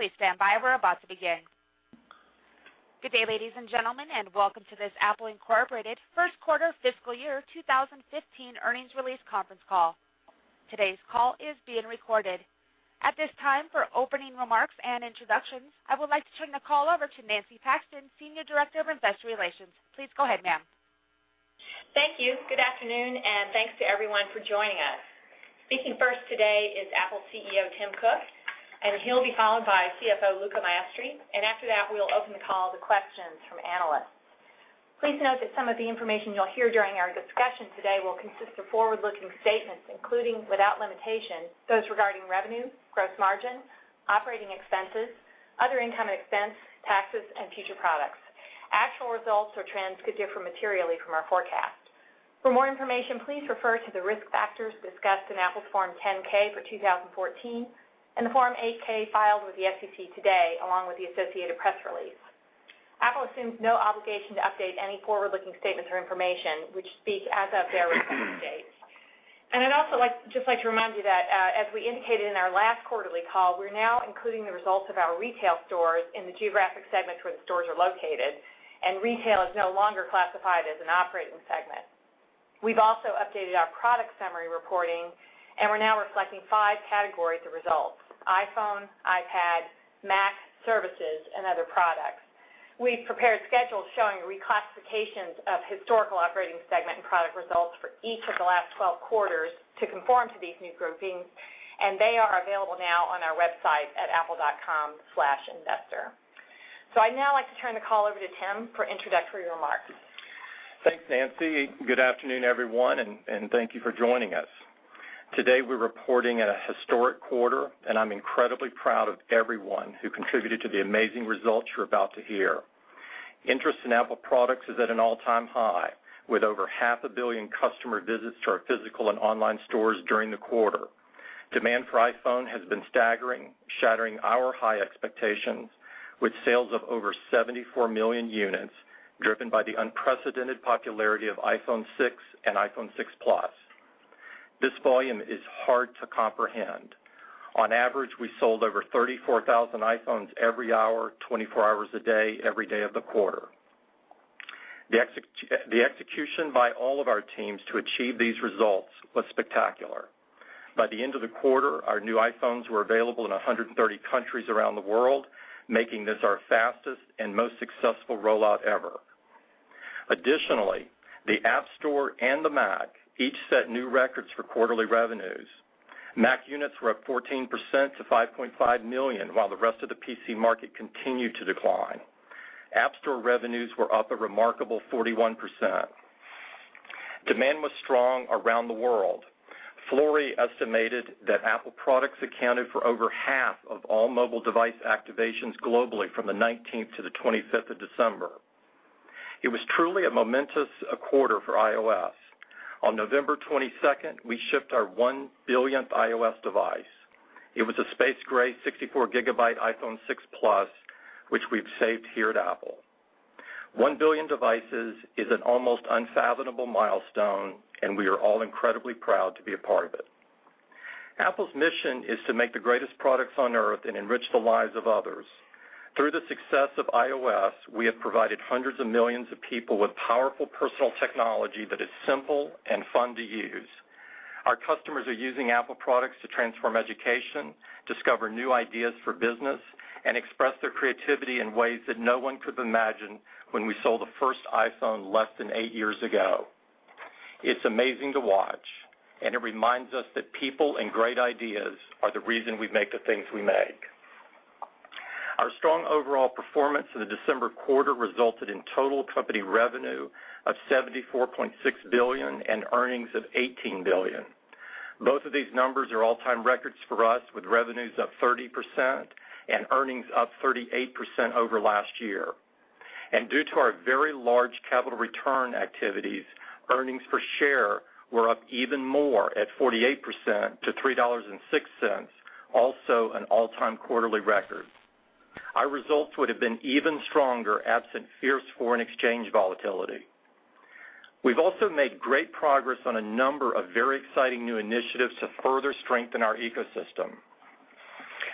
Please stand by. We're about to begin. Good day, ladies and gentlemen, welcome to this Apple Inc. first quarter fiscal year 2015 earnings release conference call. Today's call is being recorded. At this time, for opening remarks and introductions, I would like to turn the call over to Nancy Paxton, Senior Director of Investor Relations. Please go ahead, ma'am. Thank you. Good afternoon, thanks to everyone for joining us. Speaking first today is Apple CEO Tim Cook. He'll be followed by CFO Luca Maestri. After that, we'll open the call to questions from analysts. Please note that some of the information you'll hear during our discussion today will consist of forward-looking statements, including, without limitation, those regarding revenue, gross margin, operating expenses, other income expense, taxes, and future products. Actual results or trends could differ materially from our forecast. For more information, please refer to the risk factors discussed in Apple's Form 10-K for 2014 and the Form 8-K filed with the SEC today, along with the associated press release. Apple assumes no obligation to update any forward-looking statements or information, which speak as of their respective dates. I'd also just like to remind you that, as we indicated in our last quarterly call, we're now including the results of our retail stores in the geographic segments where the stores are located. Retail is no longer classified as an operating segment. We've also updated our product summary reporting. We're now reflecting five categories of results: iPhone, iPad, Mac, services, and other products. We've prepared schedules showing reclassifications of historical operating segment and product results for each of the last 12 quarters to conform to these new groupings. They are available now on our website at apple.com/investor. I'd now like to turn the call over to Tim for introductory remarks. Thanks, Nancy. Good afternoon, everyone, thank you for joining us. Today, we're reporting a historic quarter. I'm incredibly proud of everyone who contributed to the amazing results you're about to hear. Interest in Apple products is at an all-time high, with over half a billion customer visits to our physical and online stores during the quarter. Demand for iPhone has been staggering, shattering our high expectations with sales of over 74 million units, driven by the unprecedented popularity of iPhone 6 and iPhone 6 Plus. This volume is hard to comprehend. On average, we sold over 34,000 iPhones every hour, 24 hours a day, every day of the quarter. The execution by all of our teams to achieve these results was spectacular. By the end of the quarter, our new iPhones were available in 130 countries around the world, making this our fastest and most successful rollout ever. Additionally, the App Store and the Mac each set new records for quarterly revenues. Mac units were up 14% to 5.5 million, while the rest of the PC market continued to decline. App Store revenues were up a remarkable 41%. Demand was strong around the world. Flurry estimated that Apple products accounted for over half of all mobile device activations globally from the 19th to the 25th of December. It was truly a momentous quarter for iOS. On November 22nd, we shipped our 1 billionth iOS device. It was a space gray 64 gigabyte iPhone 6 Plus, which we've saved here at Apple. 1 billion devices is an almost unfathomable milestone, and we are all incredibly proud to be a part of it. Apple's mission is to make the greatest products on Earth and enrich the lives of others. Through the success of iOS, we have provided hundreds of millions of people with powerful personal technology that is simple and fun to use. Our customers are using Apple products to transform education, discover new ideas for business, and express their creativity in ways that no one could imagine when we sold the first iPhone less than eight years ago. It's amazing to watch, and it reminds us that people and great ideas are the reason we make the things we make. Our strong overall performance in the December quarter resulted in total company revenue of $74.6 billion and earnings of $18 billion. Both of these numbers are all-time records for us, with revenues up 30% and earnings up 38% over last year. Due to our very large capital return activities, earnings per share were up even more at 48% to $3.06, also an all-time quarterly record. Our results would have been even stronger absent fierce foreign exchange volatility. We've also made great progress on a number of very exciting new initiatives to further strengthen our ecosystem.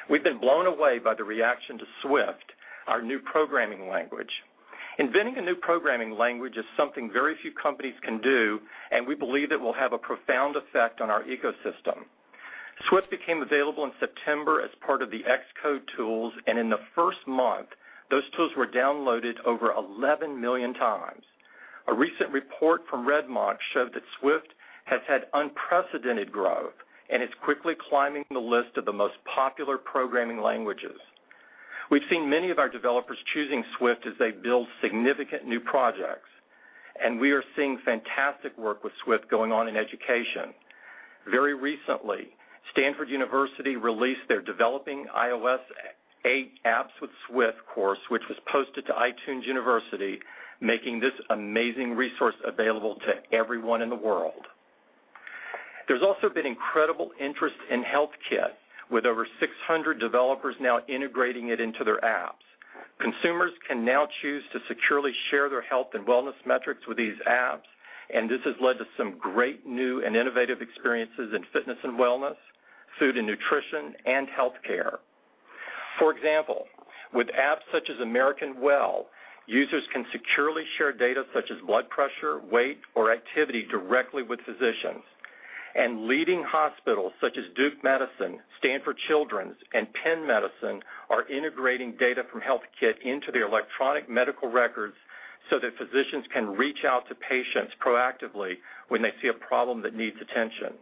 We've been blown away by the reaction to Swift, our new programming language. Inventing a new programming language is something very few companies can do. We believe it will have a profound effect on our ecosystem. Swift became available in September as part of the Xcode tools. In the first month, those tools were downloaded over 11 million times. A recent report from RedMonk showed that Swift has had unprecedented growth and is quickly climbing the list of the most popular programming languages. We've seen many of our developers choosing Swift as they build significant new projects, and we are seeing fantastic work with Swift going on in education. Very recently, Stanford University released their Developing iOS 8 Apps with Swift course, which was posted to iTunes University, making this amazing resource available to everyone in the world. There's also been incredible interest in HealthKit, with over 600 developers now integrating it into their apps. Consumers can now choose to securely share their health and wellness metrics with these apps. This has led to some great new and innovative experiences in fitness and wellness, food and nutrition, and healthcare. For example, with apps such as American Well, users can securely share data such as blood pressure, weight, or activity directly with physicians. Leading hospitals such as Duke Medicine, Stanford Children's, and Penn Medicine are integrating data from HealthKit into their electronic medical records so that physicians can reach out to patients proactively when they see a problem that needs attention.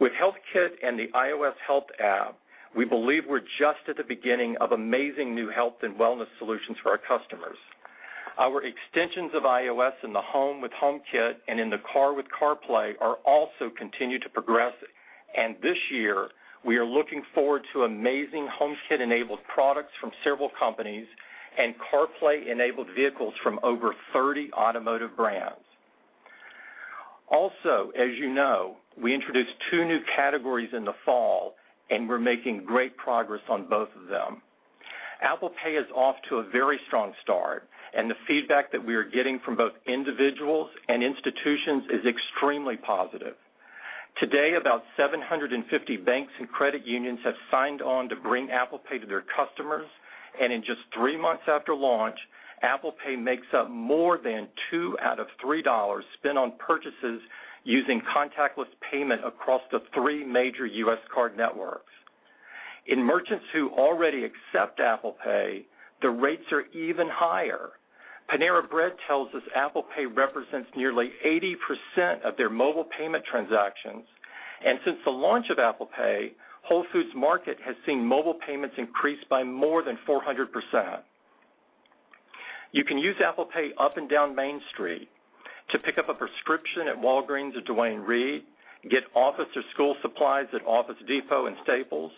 With HealthKit and the iOS Health app, we believe we're just at the beginning of amazing new health and wellness solutions for our customers. Our extensions of iOS in the home with HomeKit and in the car with CarPlay are also continue to progress. This year, we are looking forward to amazing HomeKit-enabled products from several companies and CarPlay-enabled vehicles from over 30 automotive brands. As you know, we introduced two new categories in the fall, and we're making great progress on both of them. Apple Pay is off to a very strong start, and the feedback that we are getting from both individuals and institutions is extremely positive. Today, about 750 banks and credit unions have signed on to bring Apple Pay to their customers, in just three months after launch, Apple Pay makes up more than two out of three dollars spent on purchases using contactless payment across the three major U.S. card networks. In merchants who already accept Apple Pay, the rates are even higher. Panera Bread tells us Apple Pay represents nearly 80% of their mobile payment transactions. Since the launch of Apple Pay, Whole Foods Market has seen mobile payments increase by more than 400%. You can use Apple Pay up and down Main Street to pick up a prescription at Walgreens or Duane Reade, get office or school supplies at Office Depot and Staples,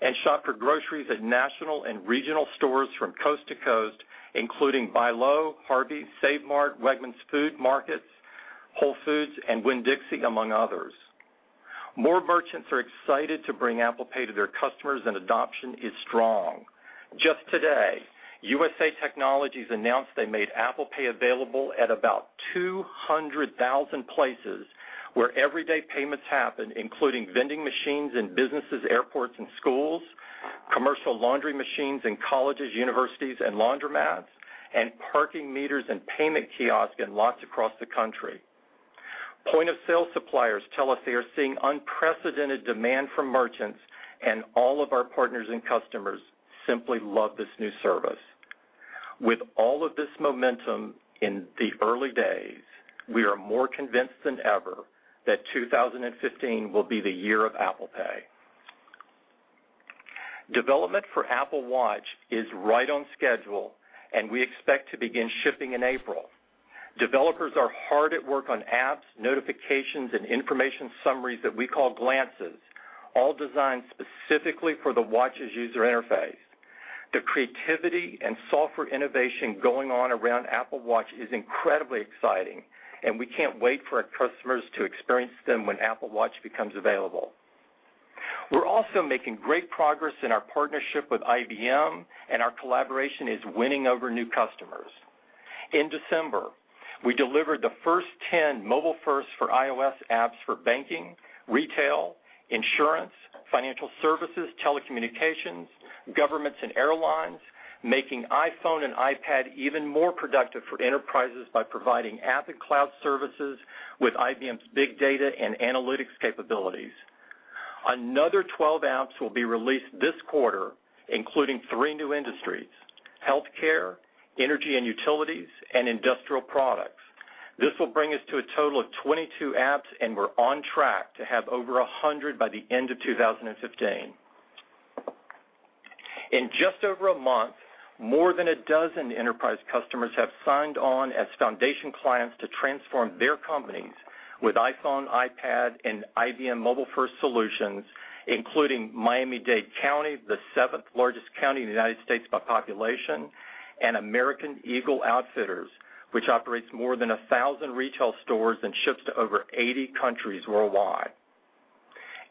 and shop for groceries at national and regional stores from coast to coast, including BI-LO, Harveys, Save Mart, Wegmans Food Markets, Whole Foods, and Winn-Dixie, among others. More merchants are excited to bring Apple Pay to their customers, and adoption is strong. Just today, USA Technologies announced they made Apple Pay available at about 200,000 places where everyday payments happen, including vending machines in businesses, airports, and schools, commercial laundry machines in colleges, universities, and laundromats, and parking meters and payment kiosks in lots across the country. Point-of-sale suppliers tell us they are seeing unprecedented demand from merchants, and all of our partners and customers simply love this new service. With all of this momentum in the early days, we are more convinced than ever that 2015 will be the year of Apple Pay. Development for Apple Watch is right on schedule, and we expect to begin shipping in April. Developers are hard at work on apps, notifications, and information summaries that we call Glances, all designed specifically for the watch's user interface. The creativity and software innovation going on around Apple Watch is incredibly exciting, and we can't wait for our customers to experience them when Apple Watch becomes available. We're also making great progress in our partnership with IBM, and our collaboration is winning over new customers. In December, we delivered the first 10 MobileFirst for iOS apps for banking, retail, insurance, financial services, telecommunications, governments, and airlines, making iPhone and iPad even more productive for enterprises by providing app and cloud services with IBM's big data and analytics capabilities. Another 12 apps will be released this quarter, including three new industries, healthcare, energy and utilities, and industrial products. This will bring us to a total of 22 apps, and we're on track to have over 100 by the end of 2015. In just over a month, more than a dozen enterprise customers have signed on as foundation clients to transform their companies with iPhone, iPad, and IBM MobileFirst solutions, including Miami-Dade County, the seventh-largest county in the U.S. by population, and American Eagle Outfitters, which operates more than 1,000 retail stores and ships to over 80 countries worldwide.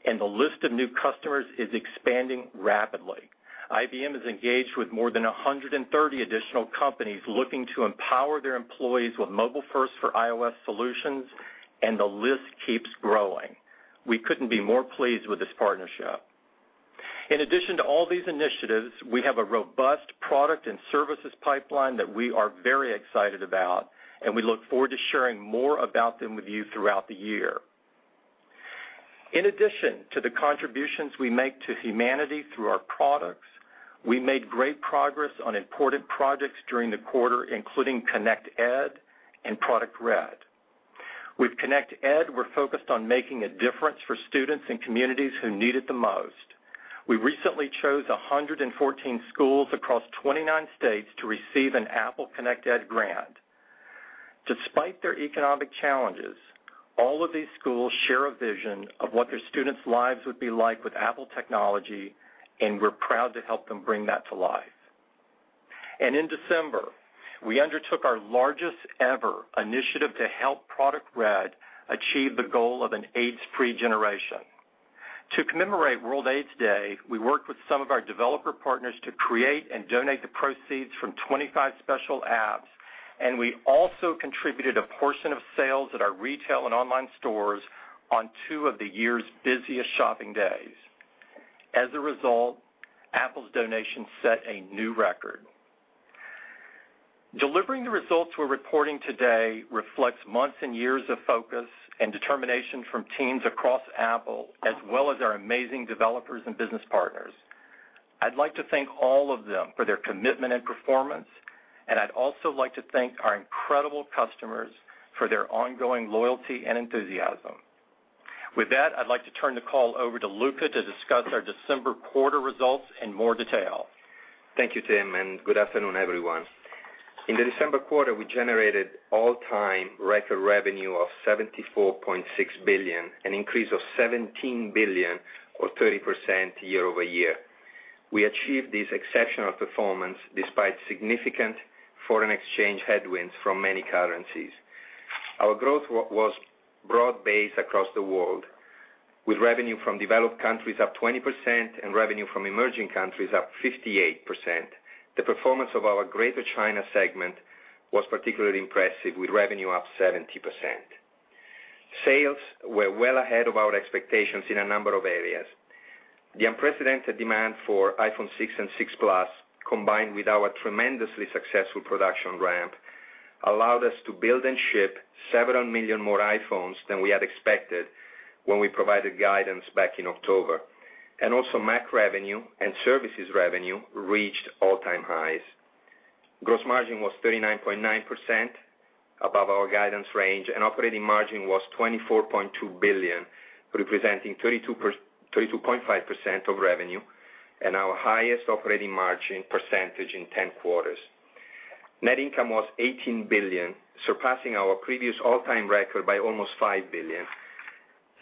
The list of new customers is expanding rapidly. IBM is engaged with more than 130 additional companies looking to empower their employees with MobileFirst for iOS solutions, the list keeps growing. We couldn't be more pleased with this partnership. In addition to all these initiatives, we have a robust product and services pipeline that we are very excited about, we look forward to sharing more about them with you throughout the year. In addition to the contributions we make to humanity through our products, we made great progress on important projects during the quarter, including ConnectED and (PRODUCT)RED. With ConnectED, we're focused on making a difference for students and communities who need it the most. We recently chose 114 schools across 29 states to receive an Apple ConnectED grant. Despite their economic challenges, all of these schools share a vision of what their students' lives would be like with Apple technology, we're proud to help them bring that to life. In December, we undertook our largest ever initiative to help (PRODUCT)RED achieve the goal of an AIDS-free generation. To commemorate World AIDS Day, we worked with some of our developer partners to create and donate the proceeds from 25 special apps, we also contributed a portion of sales at our retail and online stores on two of the year's busiest shopping days. As a result, Apple's donation set a new record. Delivering the results we're reporting today reflects months and years of focus and determination from teams across Apple, as well as our amazing developers and business partners. I'd like to thank all of them for their commitment and performance, I'd also like to thank our incredible customers for their ongoing loyalty and enthusiasm. With that, I'd like to turn the call over to Luca to discuss our December quarter results in more detail. Thank you, Tim. Good afternoon, everyone. In the December quarter, we generated all-time record revenue of $74.6 billion, an increase of $17 billion or 30% year-over-year. We achieved this exceptional performance despite significant foreign exchange headwinds from many currencies. Our growth was broad-based across the world, with revenue from developed countries up 20% and revenue from emerging countries up 58%. The performance of our greater China segment was particularly impressive, with revenue up 70%. Sales were well ahead of our expectations in a number of areas. The unprecedented demand for iPhone 6 and 6 Plus, combined with our tremendously successful production ramp, allowed us to build and ship several million more iPhones than we had expected when we provided guidance back in October. Mac revenue and services revenue reached all-time highs. Gross margin was 39.9%, above our guidance range. Operating margin was $24.2 billion, representing 32.5% of revenue and our highest operating margin percentage in 10 quarters. Net income was $18 billion, surpassing our previous all-time record by almost $5 billion.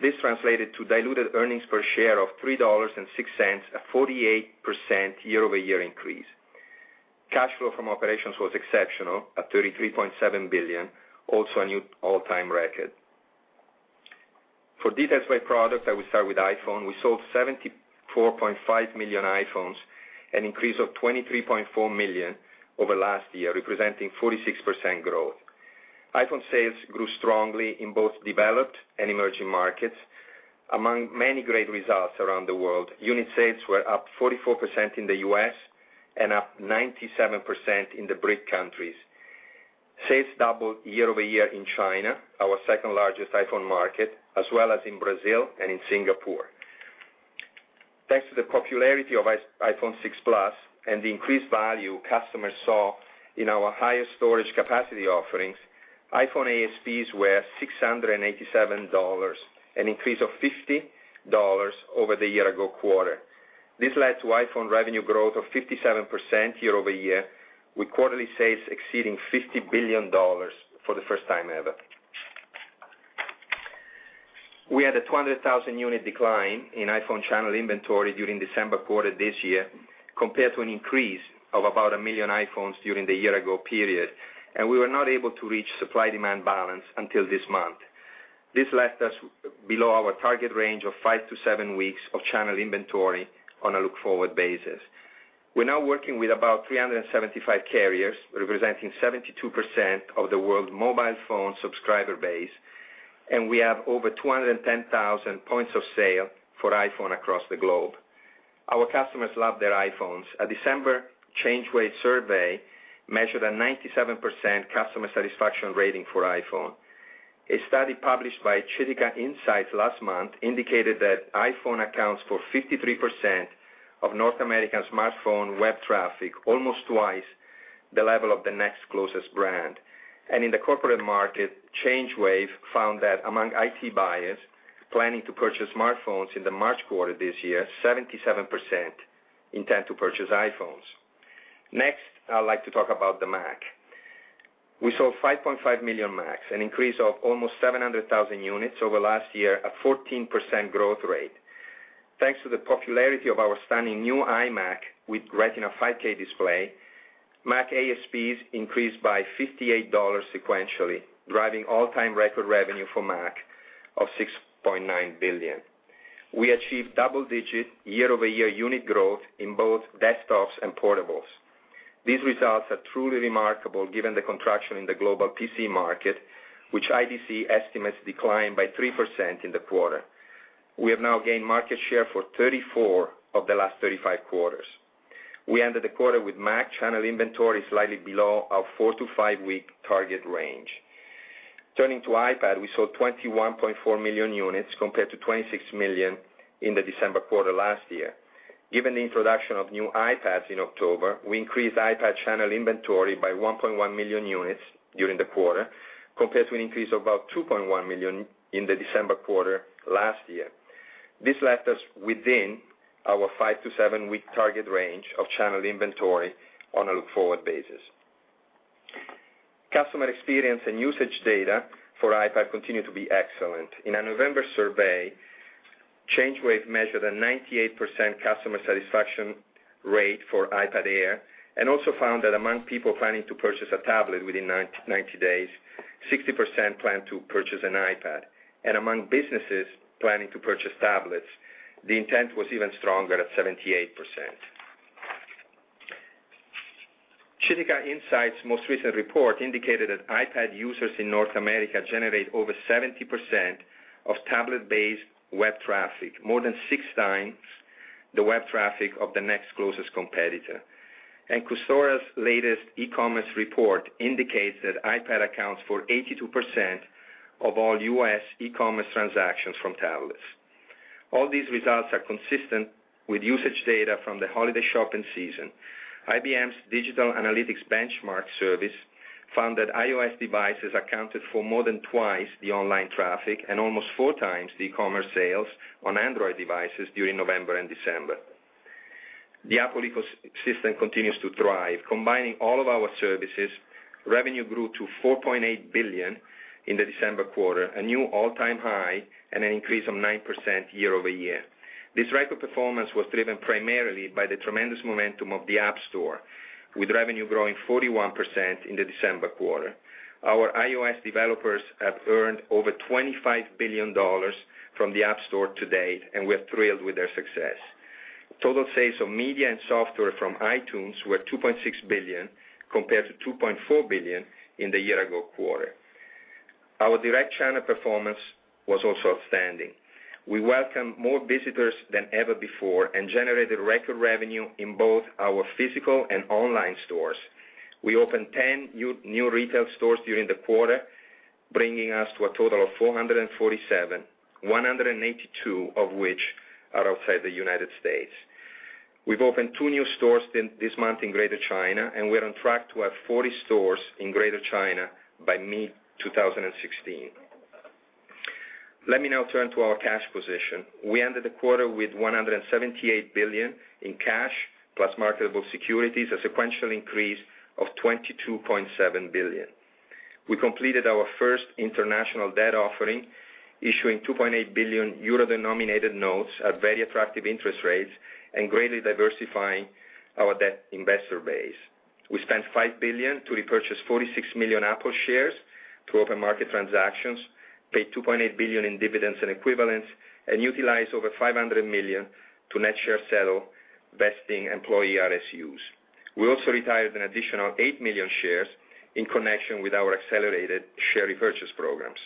This translated to diluted earnings per share of $3.06 at 48% year-over-year increase. Cash flow from operations was exceptional at $33.7 billion, also a new all-time record. For details by product, I will start with iPhone. We sold 74.5 million iPhones, an increase of 23.4 million over last year, representing 46% growth. iPhone sales grew strongly in both developed and emerging markets. Among many great results around the world, unit sales were up 44% in the U.S. and up 97% in the BRIC countries. Sales doubled year-over-year in China, our second-largest iPhone market, as well as in Brazil and in Singapore. Thanks to the popularity of iPhone 6 Plus and the increased value customers saw in our higher storage capacity offerings, iPhone ASPs were $687, an increase of $50 over the year-ago quarter. This led to iPhone revenue growth of 57% year-over-year, with quarterly sales exceeding $50 billion for the first time ever. We had a 200,000 unit decline in iPhone channel inventory during December quarter this year compared to an increase of about 1 million iPhones during the year-ago period. We were not able to reach supply-demand balance until this month. This left us below our target range of 5 to 7 weeks of channel inventory on a look-forward basis. We are now working with about 375 carriers, representing 72% of the world's mobile phone subscriber base. We have over 210,000 points of sale for iPhone across the globe. Our customers love their iPhones. A December ChangeWave survey measured a 97% customer satisfaction rating for iPhone. A study published by Chitika Insights last month indicated that iPhone accounts for 53% of North American smartphone web traffic, almost twice the level of the next closest brand. In the corporate market, ChangeWave found that among IT buyers planning to purchase smartphones in the March quarter this year, 77% intend to purchase iPhones. Next, I'd like to talk about the Mac. We sold 5.5 million Macs, an increase of almost 700,000 units over last year, a 14% growth rate. Thanks to the popularity of our stunning new iMac with Retina 5K display, Mac ASPs increased by $58 sequentially, driving all-time record revenue for Mac of $6.9 billion. We achieved double-digit year-over-year unit growth in both desktops and portables. These results are truly remarkable given the contraction in the global PC market, which IDC estimates declined by 3% in the quarter. We have now gained market share for 34 of the last 35 quarters. We ended the quarter with Mac channel inventory slightly below our 4-to-5-week target range. Turning to iPad, we sold 21.4 million units compared to 26 million in the December quarter last year. Given the introduction of new iPads in October, we increased iPad channel inventory by 1.1 million units during the quarter, compared to an increase of about 2.1 million in the December quarter last year. This left us within our 5-to-7-week target range of channel inventory on a look-forward basis. Customer experience and usage data for iPad continue to be excellent. In a November survey, ChangeWave measured a 98% customer satisfaction rate for iPad Air, also found that among people planning to purchase a tablet within 90 days, 60% plan to purchase an iPad. Among businesses planning to purchase tablets, the intent was even stronger at 78%. Chitika Insights' most recent report indicated that iPad users in North America generate over 70% of tablet-based web traffic, more than six times the web traffic of the next closest competitor. Custora's latest e-commerce report indicates that iPad accounts for 82% of all U.S. e-commerce transactions from tablets. All these results are consistent with usage data from the holiday shopping season. IBM's Digital Analytics Benchmark Service found that iOS devices accounted for more than twice the online traffic and almost four times the e-commerce sales on Android devices during November and December. The Apple ecosystem continues to thrive. Combining all of our services, revenue grew to $4.8 billion in the December quarter, a new all-time high and an increase of 9% year-over-year. This record performance was driven primarily by the tremendous momentum of the App Store, with revenue growing 41% in the December quarter. Our iOS developers have earned over $25 billion from the App Store to date, and we're thrilled with their success. Total sales of media and software from iTunes were $2.6 billion, compared to $2.4 billion in the year-ago quarter. Our Direct China performance was also outstanding. We welcomed more visitors than ever before and generated record revenue in both our physical and online stores. We opened 10 new retail stores during the quarter, bringing us to a total of 447, 182 of which are outside the United States. We've opened two new stores this month in Greater China, and we're on track to have 40 stores in Greater China by mid-2016. Let me now turn to our cash position. We ended the quarter with $178 billion in cash plus marketable securities, a sequential increase of $22.7 billion. We completed our first international debt offering, issuing 2.8 billion euro-denominated notes at very attractive interest rates and greatly diversifying our debt investor base. We spent $5 billion to repurchase 46 million Apple shares through open market transactions, paid $2.8 billion in dividends and equivalents, and utilized over $500 million to net share settle vesting employee RSUs. We also retired an additional 8 million shares in connection with our accelerated share repurchase programs.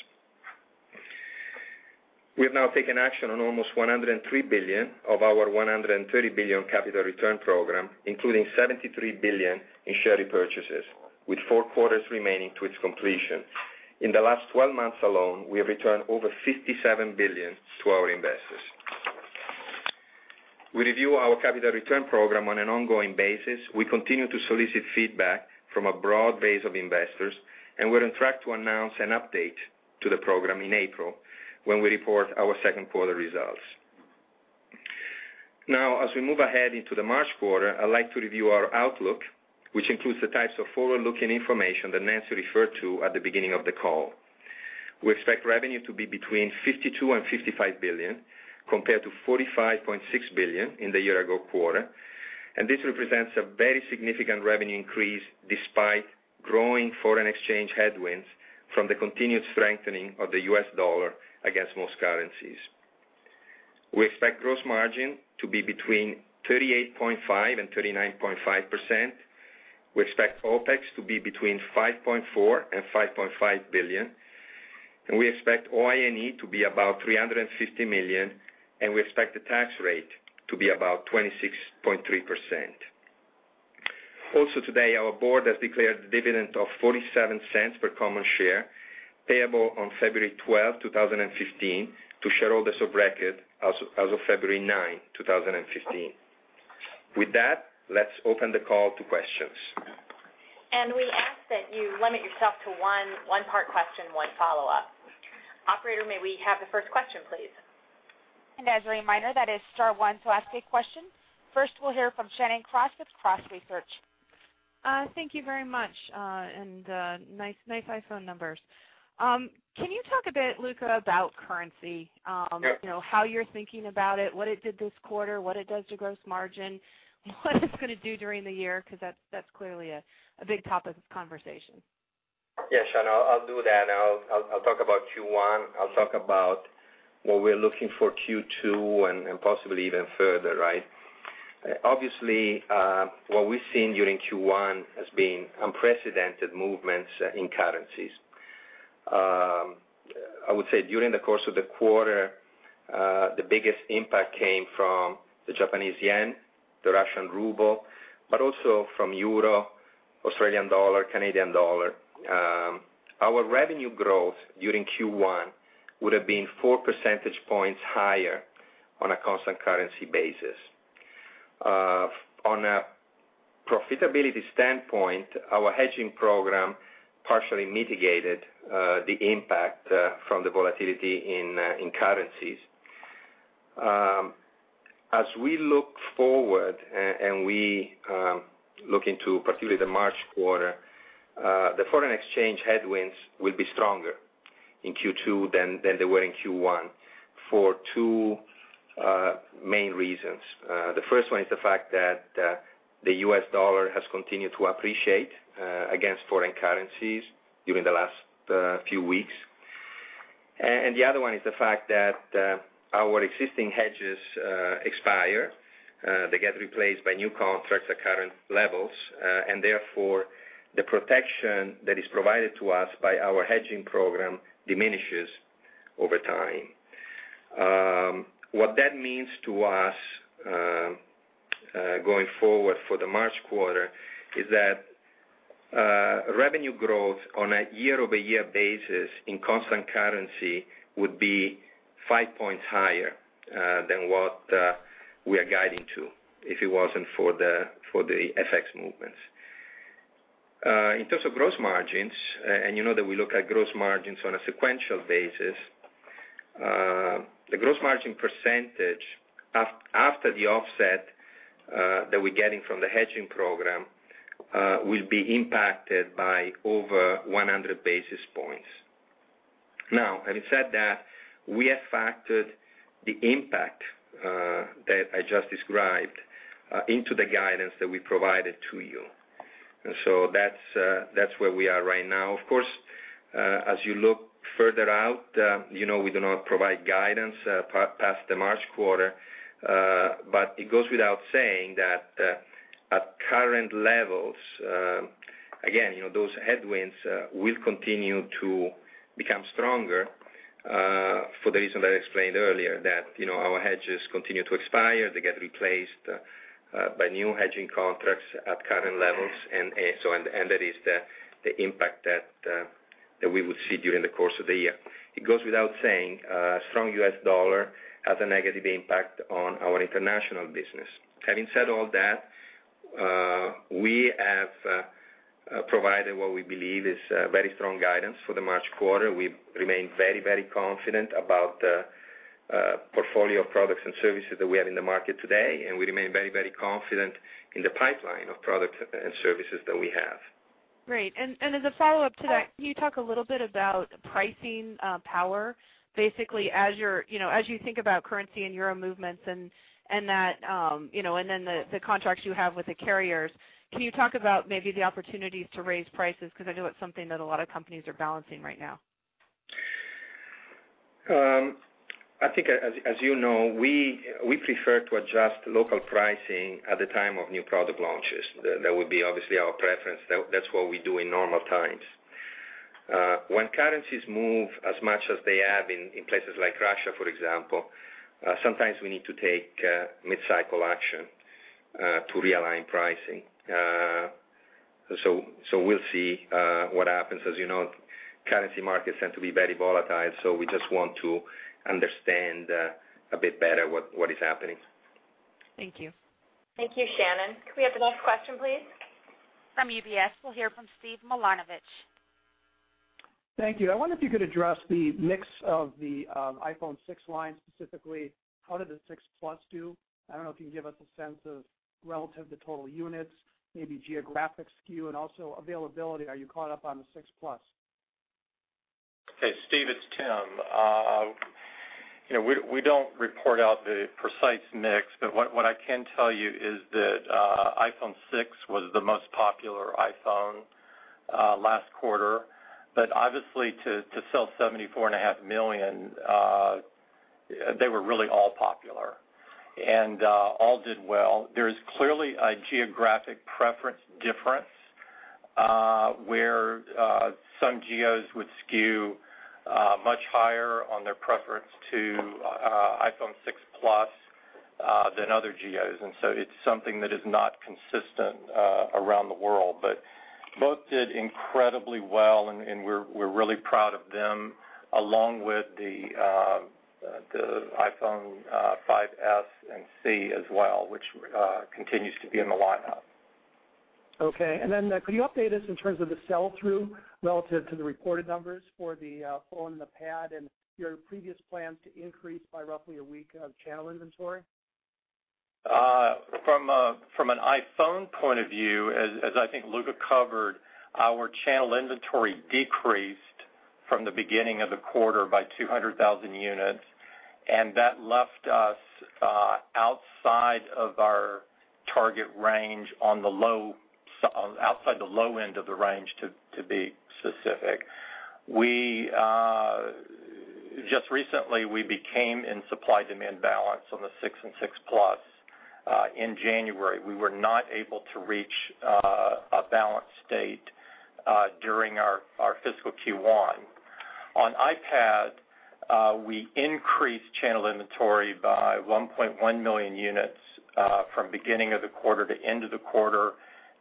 We have now taken action on almost $103 billion of our $130 billion capital return program, including $73 billion in share repurchases, with four quarters remaining to its completion. In the last 12 months alone, we have returned over $57 billion to our investors. We review our capital return program on an ongoing basis. We continue to solicit feedback from a broad base of investors, and we're on track to announce an update to the program in April when we report our second quarter results. Now, as we move ahead into the March quarter, I'd like to review our outlook, which includes the types of forward-looking information that Nancy referred to at the beginning of the call. We expect revenue to be between $52 billion and $55 billion, compared to $45.6 billion in the year-ago quarter. This represents a very significant revenue increase despite growing foreign exchange headwinds from the continued strengthening of the US dollar against most currencies. We expect gross margin to be between 38.5% and 39.5%. We expect OpEx to be between $5.4 billion and $5.5 billion. We expect OIE to be about $350 million, and we expect the tax rate to be about 26.3%. Also today, our board has declared the dividend of $0.47 per common share, payable on February 12th, 2015, to shareholders of record as of February 9th, 2015. With that, let's open the call to questions. We ask that you limit yourself to one part question, one follow-up. Operator, may we have the first question, please? As a reminder, that is star one to ask a question. First, we'll hear from Shannon Cross with Cross Research. Thank you very much, and nice iPhone numbers. Can you talk a bit, Luca, about currency? Sure. How you're thinking about it, what it did this quarter, what it does to gross margin, what it's going to do during the year, because that's clearly a big topic of conversation. Yeah, Shannon, I'll do that. I'll talk about Q1, I'll talk about what we're looking for Q2, and possibly even further. Obviously, what we've seen during Q1 has been unprecedented movements in currencies. I would say during the course of the quarter, the biggest impact came from the Japanese yen, the Russian ruble, but also from Euro, Australian dollar, Canadian dollar. Our revenue growth during Q1 would've been four percentage points higher on a constant currency basis. On a profitability standpoint, our hedging program partially mitigated the impact from the volatility in currencies. As we look forward, and we look into particularly the March quarter, the foreign exchange headwinds will be stronger in Q2 than they were in Q1 for two main reasons. The first one is the fact that the US dollar has continued to appreciate against foreign currencies during the last few weeks. The other one is the fact that our existing hedges expire, they get replaced by new contracts at current levels, and therefore, the protection that is provided to us by our hedging program diminishes over time. What that means to us, going forward for the March quarter, is that revenue growth on a year-over-year basis in constant currency would be five points higher than what we are guiding to if it wasn't for the FX movements. In terms of gross margins, and you know that we look at gross margins on a sequential basis, the gross margin percentage after the offset that we're getting from the hedging program will be impacted by over 100 basis points. Now, having said that, we have factored the impact that I just described into the guidance that we provided to you. That's where we are right now. Of course, as you look further out, you know we do not provide guidance past the March quarter. It goes without saying that at current levels, again, those headwinds will continue to become stronger for the reason that I explained earlier, that our hedges continue to expire, they get replaced by new hedging contracts at current levels, and that is the impact that we would see during the course of the year. It goes without saying a strong US dollar has a negative impact on our international business. Having said all that, we have provided what we believe is a very strong guidance for the March quarter. We remain very confident about the portfolio of products and services that we have in the market today, and we remain very confident in the pipeline of products and services that we have. Great. As a follow-up to that, can you talk a little bit about pricing power? Basically, as you think about currency and euro movements and then the contracts you have with the carriers, can you talk about maybe the opportunities to raise prices? I know it's something that a lot of companies are balancing right now. I think, as you know, we prefer to adjust local pricing at the time of new product launches. That would be obviously our preference. That's what we do in normal times. When currencies move as much as they have in places like Russia, for example, sometimes we need to take mid-cycle action to realign pricing. We'll see what happens. As you know, currency markets tend to be very volatile, we just want to understand a bit better what is happening. Thank you. Thank you, Shannon. Could we have the next question, please? From UBS, we will hear from Steven Milunovich. Thank you. I wonder if you could address the mix of the iPhone 6 line, specifically, how did the iPhone 6 Plus do? I don't know if you can give us a sense of relative to total units, maybe geographic skew, and also availability. Are you caught up on the iPhone 6 Plus? Hey, Steve, it's Tim. We don't report out the precise mix, but what I can tell you is that iPhone 6 was the most popular iPhone last quarter. Obviously, to sell 74.5 million, they were really all popular and all did well. There is clearly a geographic preference difference, where some geos would skew much higher on their preference to iPhone 6 Plus than other geos. It's something that is not consistent around the world. Both did incredibly well, and we're really proud of them, along with the iPhone 5s and SE as well, which continues to be in the lineup. Could you update us in terms of the sell-through relative to the reported numbers for the phone and the pad and your previous plans to increase by roughly a week of channel inventory? From an iPhone point of view, as I think Luca covered, our channel inventory decreased from the beginning of the quarter by 200,000 units, that left us outside of our target range, outside the low end of the range, to be specific. Just recently, we became in supply-demand balance on the 6 and 6 Plus in January. We were not able to reach a balanced state during our fiscal Q1. On iPad, we increased channel inventory by 1.1 million units from beginning of the quarter to end of the quarter.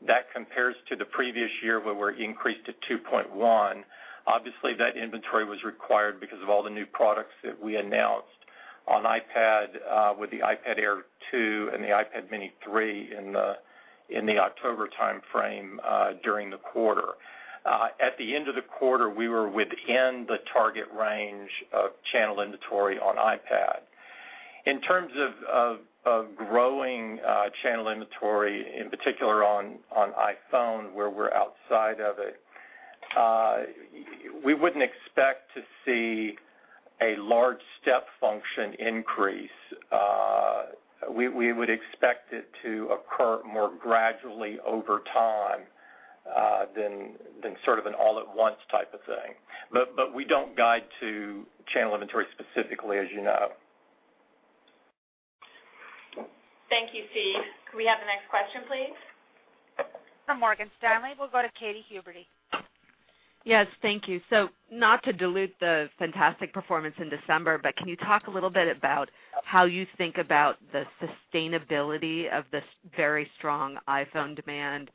That compares to the previous year, where we increased to 2.1. Obviously, that inventory was required because of all the new products that we announced on iPad with the iPad Air 2 and the iPad mini 3 in the October timeframe during the quarter. At the end of the quarter, we were within the target range of channel inventory on iPad. In terms of growing channel inventory, in particular on iPhone where we're outside of it, we wouldn't expect to see a large step function increase. We would expect it to occur more gradually over time than sort of an all at once type of thing. We don't guide to channel inventory specifically, as you know. Thank you, Steven. Could we have the next question, please? From Morgan Stanley, we'll go to Katy Huberty. Yes, thank you. Not to dilute the fantastic performance in December, but can you talk a little bit about how you think about the sustainability of this very strong iPhone demand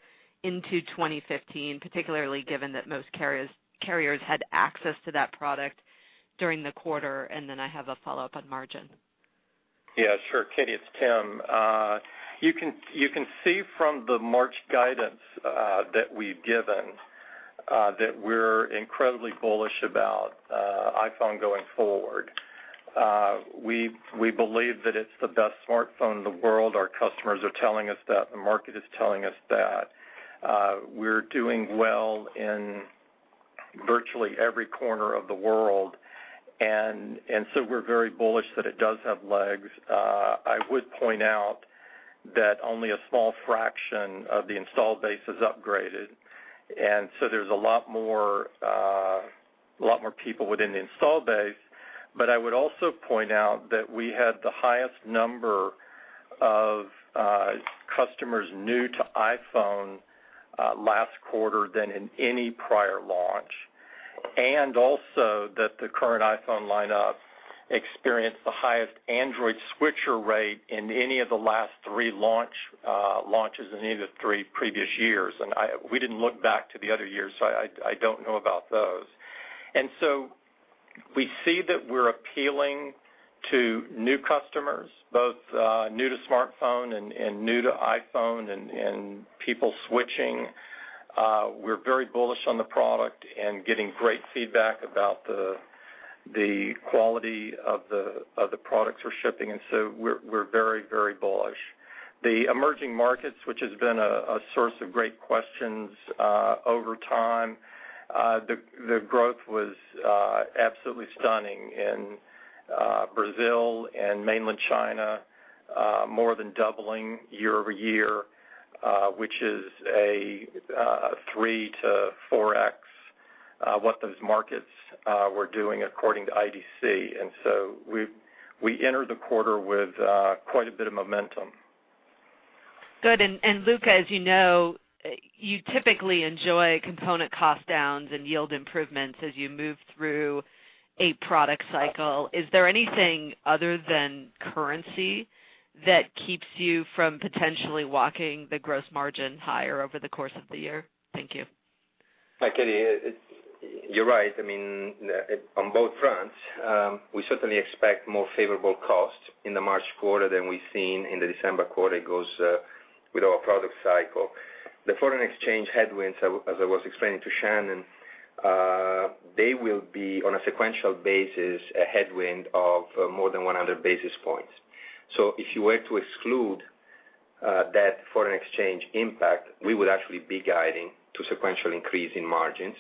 into 2015, particularly given that most carriers had access to that product during the quarter? I have a follow-up on margin. Yeah, sure. Katy, it's Tim. You can see from the March guidance that we've given that we're incredibly bullish about iPhone going forward. We believe that it's the best smartphone in the world. Our customers are telling us that, the market is telling us that. We're doing well in virtually every corner of the world. We're very bullish that it does have legs. I would point out that only a small fraction of the installed base is upgraded. There's a lot more people within the installed base. I would also point out that we had the highest number of customers new to iPhone last quarter than in any prior launch. The current iPhone lineup experienced the highest Android switcher rate in any of the last three launches in any of the three previous years. We didn't look back to the other years, I don't know about those. We see that we're appealing to new customers, both new to smartphone and new to iPhone, and people switching. We're very bullish on the product and getting great feedback about the quality of the products we're shipping. We're very bullish. The emerging markets, which has been a source of great questions over time, the growth was absolutely stunning in Brazil and mainland China, more than doubling year-over-year, which is a 3 to 4x what those markets were doing according to IDC. We entered the quarter with quite a bit of momentum. Good. Luca, as you know, you typically enjoy component cost downs and yield improvements as you move through a product cycle. Is there anything other than currency that keeps you from potentially walking the gross margin higher over the course of the year? Thank you. Hi, Katy. You're right. On both fronts, we certainly expect more favorable costs in the March quarter than we've seen in the December quarter. It goes with our product cycle. The foreign exchange headwinds, as I was explaining to Shannon, they will be, on a sequential basis, a headwind of more than 100 basis points. If you were to exclude that foreign exchange impact, we would actually be guiding to sequential increase in margins.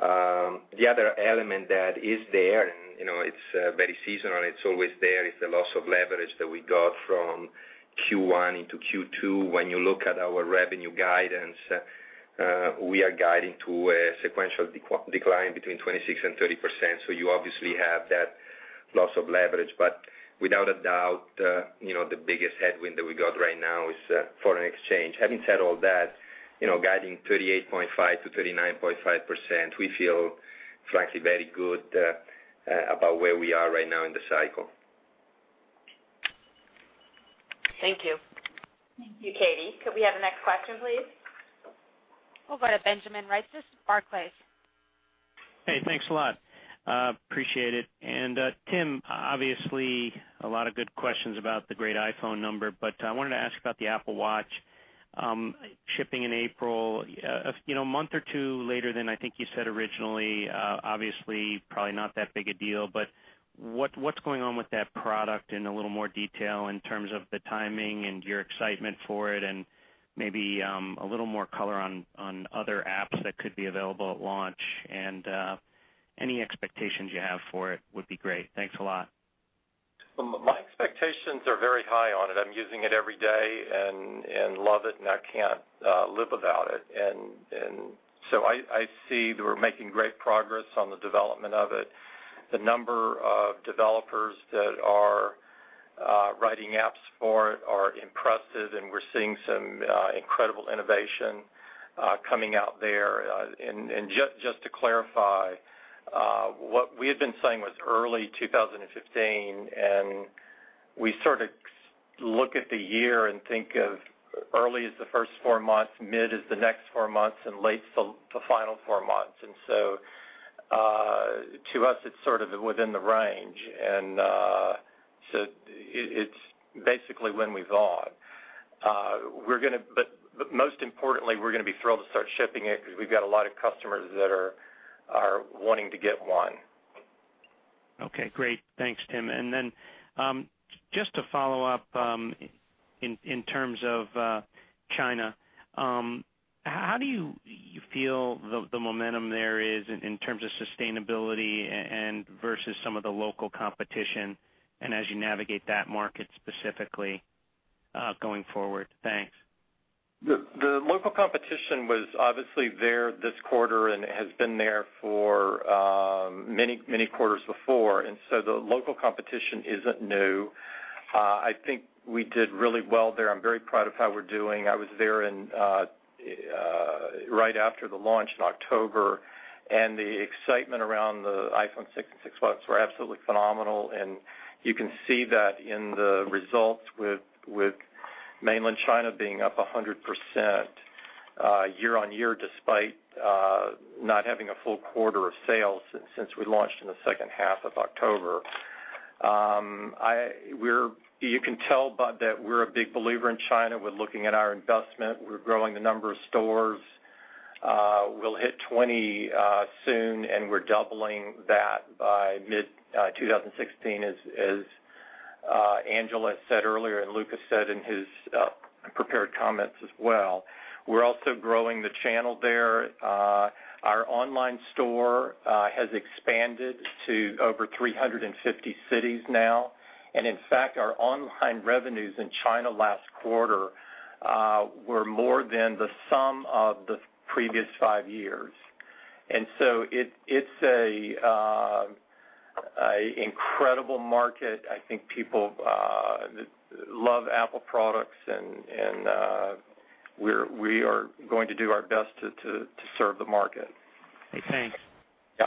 The other element that is there, and it's very seasonal, it's always there, is the loss of leverage that we got from Q1 into Q2. When you look at our revenue guidance, we are guiding to a sequential decline between 26% and 30%, so you obviously have that loss of leverage. Without a doubt, the biggest headwind that we got right now is foreign exchange. Having said all that, guiding 38.5%-39.5%, we feel frankly very good about where we are right now in the cycle. Thank you. Thank you, Katy. Could we have the next question, please? We'll go to Benjamin Reitzes, Barclays. Hey, thanks a lot. Appreciate it. Tim, obviously, a lot of good questions about the great iPhone number, I wanted to ask about the Apple Watch shipping in April, a month or two later than I think you said originally. Obviously, probably not that big a deal, what's going on with that product in a little more detail in terms of the timing and your excitement for it, maybe a little more color on other apps that could be available at launch and any expectations you have for it would be great. Thanks a lot. My expectations are very high on it. I'm using it every day and love it, I can't live without it. I see that we're making great progress on the development of it. The number of developers that are writing apps for it are impressive, we're seeing some incredible innovation coming out there. Just to clarify, what we had been saying was early 2015, we sort of look at the year and think of early as the first four months, mid as the next four months, late the final four months. To us, it's sort of within the range. It's basically when we thought most importantly, we're going to be thrilled to start shipping it because we've got a lot of customers that are wanting to get one. Okay, great. Thanks, Tim. Then just to follow up, in terms of China, how do you feel the momentum there is in terms of sustainability and versus some of the local competition and as you navigate that market specifically going forward? Thanks. The local competition was obviously there this quarter and has been there for many quarters before. The local competition isn't new. I think we did really well there. I'm very proud of how we're doing. I was there right after the launch in October, and the excitement around the iPhone 6 and 6 Plus were absolutely phenomenal, and you can see that in the results with mainland China being up 100% year-over-year, despite not having a full quarter of sales since we launched in the second half of October. You can tell, Ben, that we're a big believer in China. We're looking at our investment. We're growing the number of stores. We'll hit 20 soon, and we're doubling that by mid-2016, as Angela said earlier and Luca said in his prepared comments as well. We're also growing the channel there. In fact, our online revenues in China last quarter were more than the sum of the previous five years. It's an incredible market. I think people love Apple products, and we are going to do our best to serve the market. Okay, thanks. Yeah.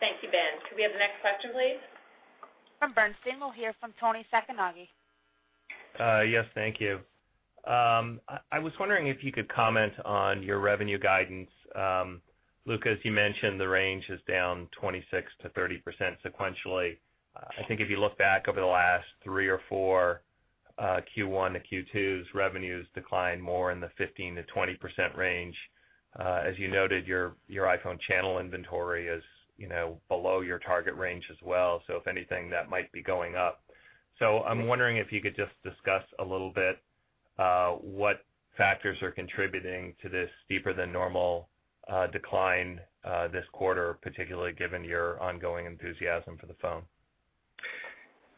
Thank you, Ben. Could we have the next question, please? From Bernstein, we will hear from Toni Sacconaghi. Yes, thank you. I was wondering if you could comment on your revenue guidance. Luca, as you mentioned, the range is down 26%-30% sequentially. I think if you look back over the last three or four Q1 to Q2s, revenues declined more in the 15%-20% range. As you noted, your iPhone channel inventory is below your target range as well. If anything, that might be going up. I am wondering if you could just discuss a little bit what factors are contributing to this deeper than normal decline this quarter, particularly given your ongoing enthusiasm for the phone.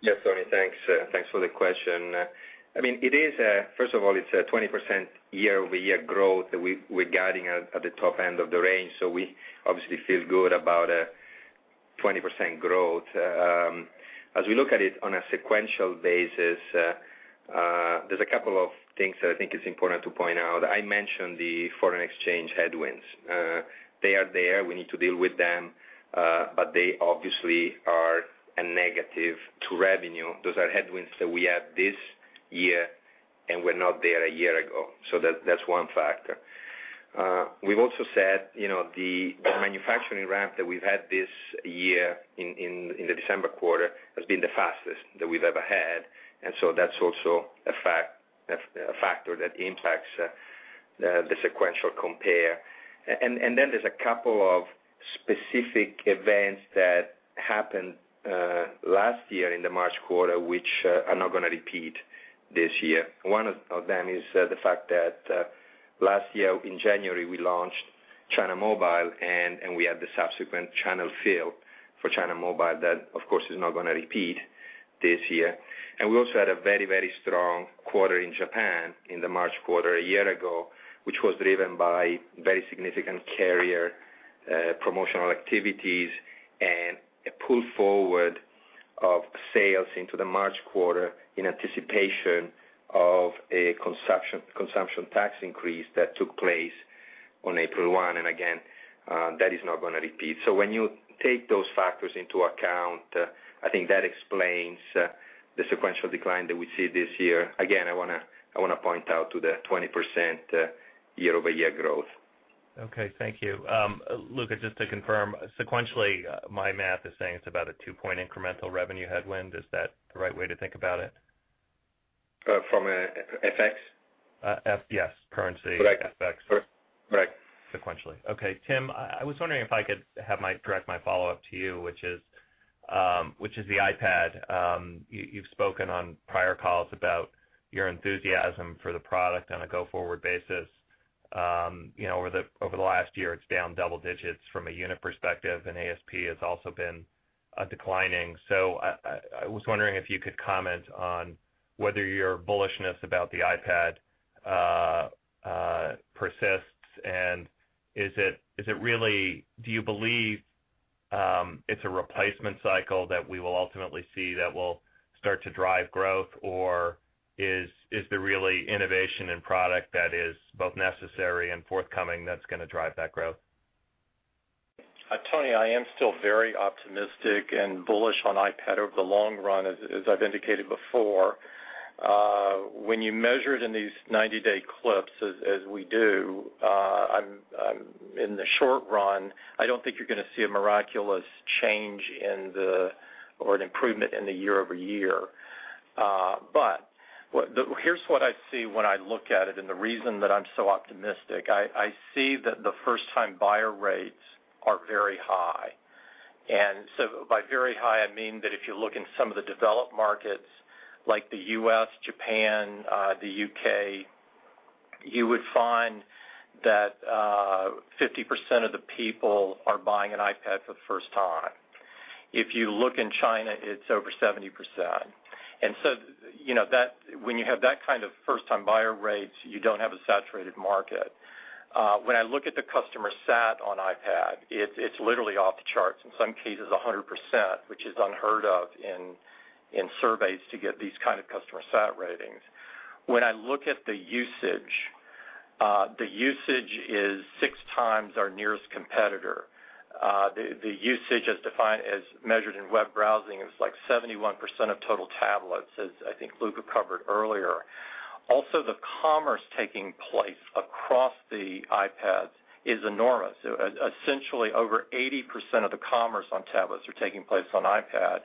Yes, Toni. Thanks for the question. First of all, it is a 20% year-over-year growth that we are guiding at the top end of the range. We obviously feel good about a 20% growth. As we look at it on a sequential basis, there is a couple of things that I think is important to point out. I mentioned the foreign exchange headwinds. They are there. We need to deal with them, but they obviously are a negative to revenue. Those are headwinds that we have this year, and were not there a year ago. That is one factor. We have also said the manufacturing ramp that we have had this year in the December quarter has been the fastest that we have ever had. That is also a factor that impacts the sequential compare. Then there is a couple of specific events that happened last year in the March quarter, which are not going to repeat this year. One of them is the fact that last year in January, we launched China Mobile, and we had the subsequent channel fill for China Mobile. That, of course, is not going to repeat this year. We also had a very strong quarter in Japan in the March quarter a year ago, which was driven by very significant carrier promotional activities and a pull forward of sales into the March quarter in anticipation of a consumption tax increase that took place on April 1. Again, that is not going to repeat. When you take those factors into account, I think that explains the sequential decline that we see this year. Again, I want to point out to the 20% year-over-year growth. Okay, thank you. Luca, just to confirm, sequentially, my math is saying it's about a two-point incremental revenue headwind. Is that the right way to think about it? From FX? Yes, currency- Correct FX. Correct. Sequentially. Okay, Tim, I was wondering if I could direct my follow-up to you, which is the iPad. You've spoken on prior calls about your enthusiasm for the product on a go-forward basis. Over the last year, it's down double digits from a unit perspective, and ASP has also been declining. I was wondering if you could comment on whether your bullishness about the iPad persists, and do you believe it's a replacement cycle that we will ultimately see that will start to drive growth, or is there really innovation in product that is both necessary and forthcoming that's going to drive that growth? Toni, I am still very optimistic and bullish on iPad over the long run, as I've indicated before. When you measure it in these 90-day clips as we do, in the short run, I don't think you're going to see a miraculous change or an improvement in the year-over-year. Here's what I see when I look at it and the reason that I'm so optimistic. I see that the first-time buyer rates are very high. By very high, I mean that if you look in some of the developed markets like the U.S., Japan, the U.K., you would find that 50% of the people are buying an iPad for the first time. If you look in China, it's over 70%. When you have that kind of first-time buyer rates, you don't have a saturated market. When I look at the customer sat on iPad, it's literally off the charts, in some cases 100%, which is unheard of in surveys to get these kind of customer sat ratings. When I look at the usage, the usage is six times our nearest competitor. The usage as measured in web browsing is like 71% of total tablets, as I think Luca Maestri covered earlier. Also, the commerce taking place across the iPads is enormous. Essentially over 80% of the commerce on tablets are taking place on iPad.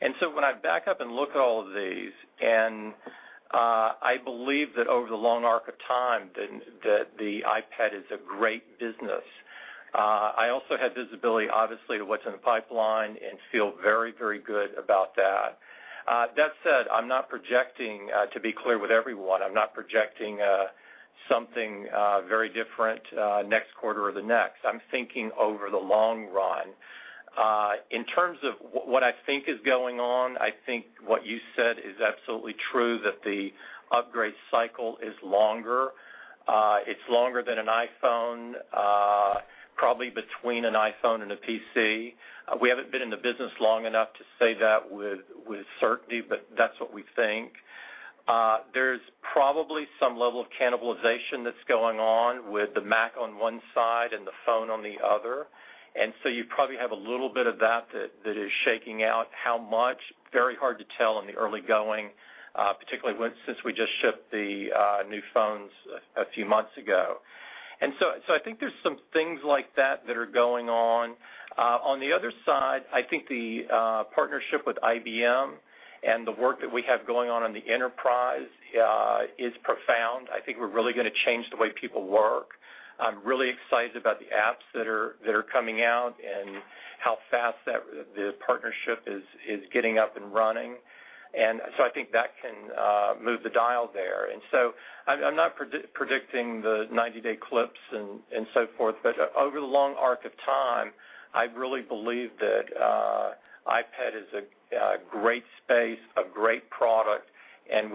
When I back up and look at all of these, and I believe that over the long arc of time that the iPad is a great business. I also have visibility, obviously, to what's in the pipeline and feel very good about that. That said, to be clear with everyone, I'm not projecting something very different next quarter or the next. I'm thinking over the long run. In terms of what I think is going on, I think what you said is absolutely true, that the upgrade cycle is longer. It's longer than an iPhone, probably between an iPhone and a PC. We haven't been in the business long enough to say that with certainty, but that's what we think. There's probably some level of cannibalization that's going on with the Mac on one side and the phone on the other, you probably have a little bit of that is shaking out. How much? Very hard to tell in the early going, particularly since we just shipped the new phones a few months ago. I think there's some things like that that are going on. On the other side, I think the partnership with IBM and the work that we have going on in the enterprise is profound. I think we're really going to change the way people work. I'm really excited about the apps that are coming out and how fast the partnership is getting up and running. I think that can move the dial there. I'm not predicting the 90-day clips and so forth, but over the long arc of time, I really believe that iPad is a great space, a great product, and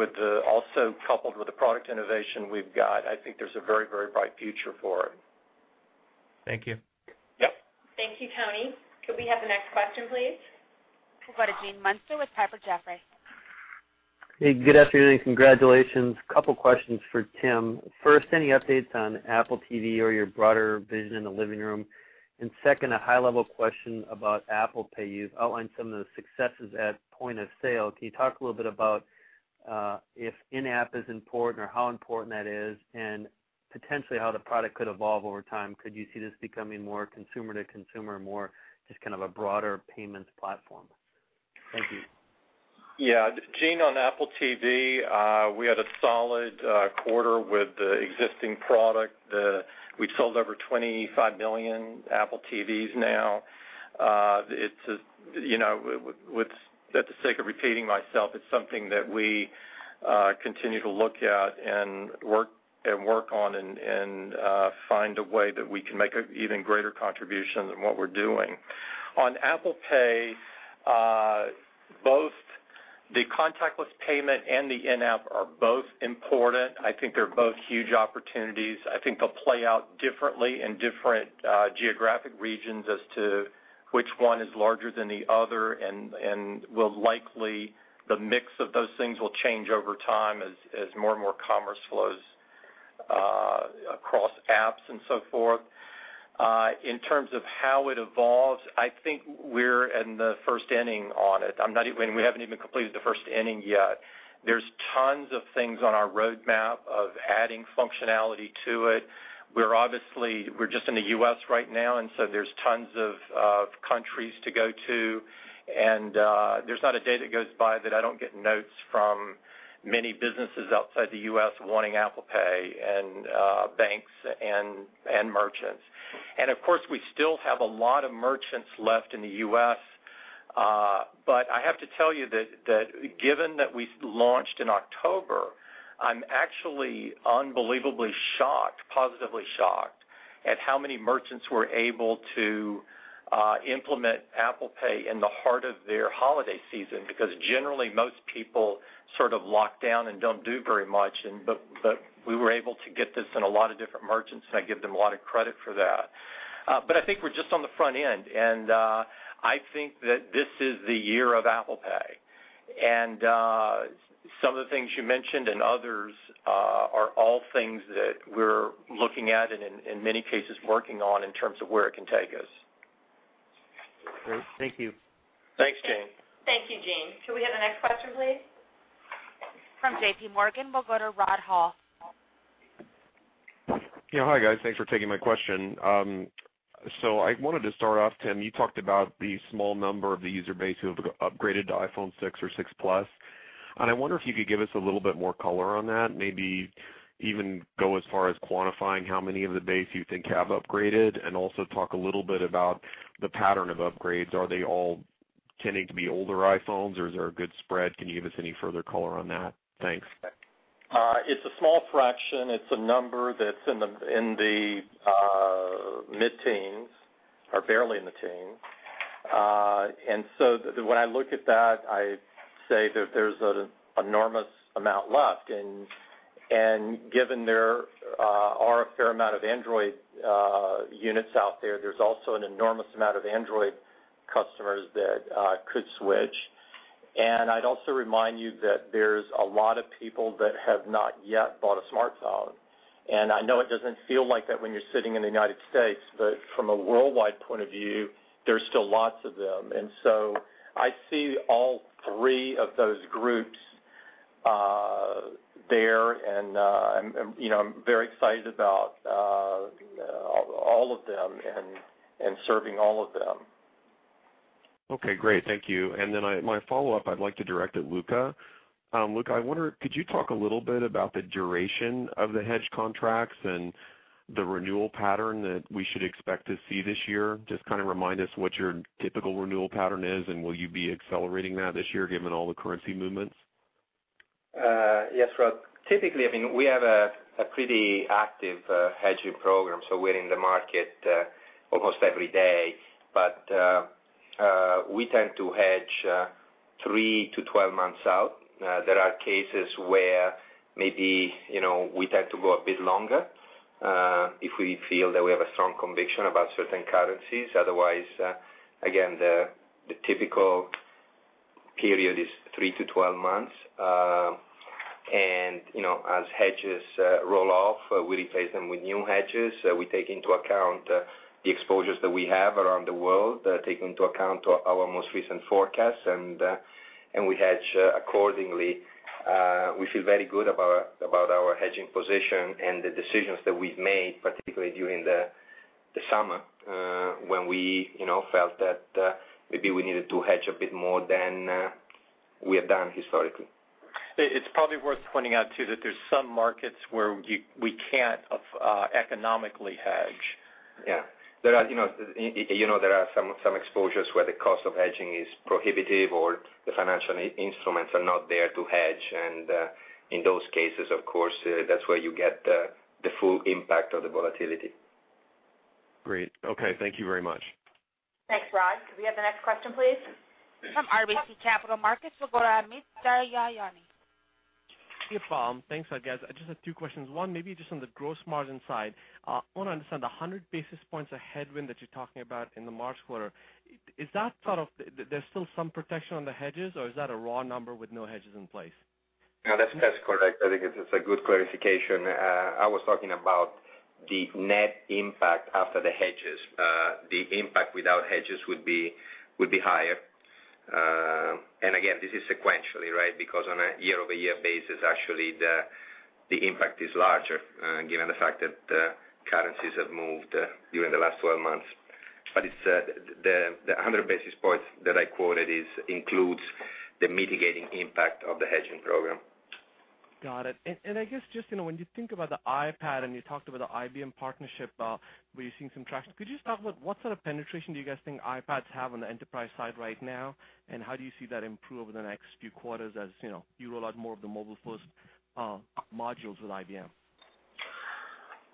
also coupled with the product innovation we've got, I think there's a very bright future for it. Thank you. Yep. Thank you, Toni. Could we have the next question, please? We'll go to Gene Munster with Piper Jaffray. Hey, good afternoon. Congratulations. Couple questions for Tim. First, any updates on Apple TV or your broader vision in the living room? Second, a high-level question about Apple Pay. You've outlined some of the successes at point of sale. Can you talk a little bit about if in-app is important or how important that is, and potentially how the product could evolve over time? Could you see this becoming more consumer to consumer, more just kind of a broader payments platform? Thank you. Yeah. Gene, on Apple TV, we had a solid quarter with the existing product. We've sold over 25 million Apple TVs now. At the sake of repeating myself, it's something that we continue to look at and work on and find a way that we can make an even greater contribution than what we're doing. On Apple Pay, both the contactless payment and the in-app are both important. I think they're both huge opportunities. I think they'll play out differently in different geographic regions as to which one is larger than the other and likely the mix of those things will change over time as more and more commerce flows across apps and so forth. In terms of how it evolves, I think we're in the first inning on it. We haven't even completed the first inning yet. There's tons of things on our roadmap of adding functionality to it. We're just in the U.S. right now, so there's tons of countries to go to, and there's not a day that goes by that I don't get notes from many businesses outside the U.S. wanting Apple Pay and banks and merchants. Of course, we still have a lot of merchants left in the U.S., I have to tell you that given that we launched in October, I'm actually unbelievably shocked, positively shocked, at how many merchants were able to implement Apple Pay in the heart of their holiday season because generally, most people sort of lock down and don't do very much, we were able to get this in a lot of different merchants, and I give them a lot of credit for that. I think we're just on the front end, and I think that this is the year of Apple Pay. Some of the things you mentioned and others are all things that we're looking at and in many cases working on in terms of where it can take us. Great. Thank you. Thanks, Gene. Thank you, Gene. Could we have the next question, please? From J.P. Morgan, we'll go to Rod Hall. Yeah. Hi, guys. Thanks for taking my question. I wanted to start off, Tim, you talked about the small number of the user base who have upgraded to iPhone 6 or 6 Plus. I wonder if you could give us a little bit more color on that, maybe even go as far as quantifying how many of the base you think have upgraded, and also talk a little bit about the pattern of upgrades. Are they all tending to be older iPhones or is there a good spread? Can you give us any further color on that? Thanks. It's a small fraction. It's a number that's in the mid-teens or barely in the teens. When I look at that, I say that there's an enormous amount left, and given there are a fair amount of Android units out there's also an enormous amount of Android customers that could switch. I'd also remind you that there's a lot of people that have not yet bought a smartphone. I know it doesn't feel like that when you're sitting in the U.S., but from a worldwide point of view, there's still lots of them. I see all three of those groups there, and I'm very excited about all of them and serving all of them. Okay, great. Thank you. My follow-up, I'd like to direct at Luca. Luca, I wonder, could you talk a little bit about the duration of the hedge contracts and the renewal pattern that we should expect to see this year? Just kind of remind us what your typical renewal pattern is, and will you be accelerating that this year given all the currency movements? Yes, Rod. Typically, we have a pretty active hedging program, so we're in the market almost every day. We tend to hedge three to 12 months out. There are cases where maybe we tend to go a bit longer if we feel that we have a strong conviction about certain currencies. Otherwise, again, the typical period is three to 12 months. As hedges roll off, we replace them with new hedges. We take into account the exposures that we have around the world, take into account our most recent forecasts, and we hedge accordingly. We feel very good about our hedging position and the decisions that we've made, particularly during the summer, when we felt that maybe we needed to hedge a bit more than we have done historically. It's probably worth pointing out, too, that there's some markets where we can't economically hedge. Yeah. There are some exposures where the cost of hedging is prohibitive or the financial instruments are not there to hedge. In those cases, of course, that's where you get the full impact of the volatility. Great. Okay. Thank you very much. Thanks, Rod. Could we have the next question, please? From RBC Capital Markets, we've got Amit Daryanani. Yeah. Thanks, guys. I just have two questions. One, maybe just on the gross margin side. I want to understand the 100 basis points of headwind that you're talking about in the March quarter. Is that sort of there's still some protection on the hedges, or is that a raw number with no hedges in place? No, that's correct. I think it's a good clarification. I was talking about the net impact after the hedges. The impact without hedges would be higher. Again, this is sequentially, right? Because on a year-over-year basis, actually, the impact is larger given the fact that currencies have moved during the last 12 months. The 100 basis points that I quoted includes the mitigating impact of the hedging program. Got it. I guess just when you think about the iPad, and you talked about the IBM partnership, where you're seeing some traction, could you start with what sort of penetration do you guys think iPads have on the enterprise side right now, and how do you see that improve over the next few quarters as you roll out more of the MobileFirst modules with IBM?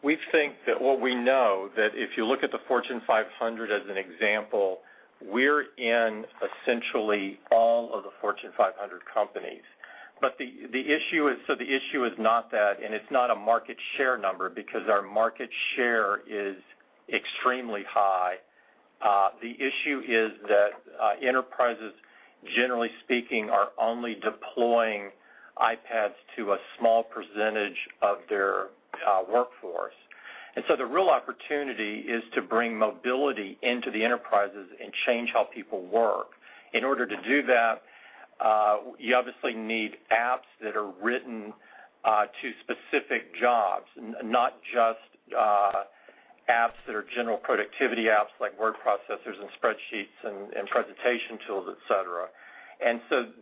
We know that if you look at the Fortune 500 as an example, we're in essentially all of the Fortune 500 companies. The issue is not that, and it's not a market share number, because our market share is extremely high. The issue is that enterprises, generally speaking, are only deploying iPads to a small percentage of their workforce. The real opportunity is to bring mobility into the enterprises and change how people work. In order to do that, you obviously need apps that are written to specific jobs, not just apps that are general productivity apps like word processors and spreadsheets and presentation tools, et cetera.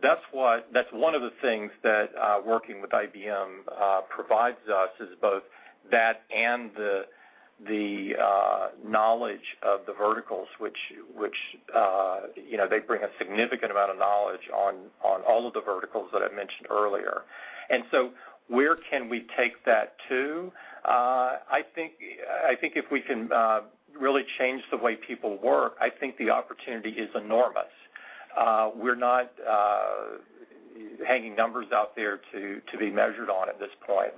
That's one of the things that working with IBM provides us is both that and the knowledge of the verticals, which they bring a significant amount of knowledge on all of the verticals that I mentioned earlier. Where can we take that to? I think if we can really change the way people work, I think the opportunity is enormous. We're not hanging numbers out there to be measured on at this point.